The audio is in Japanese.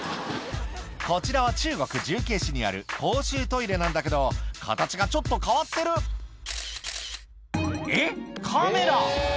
こちらは中国重慶市にある公衆トイレなんだけど形がちょっと変わってるえっカメラ？